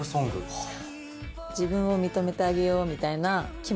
はい。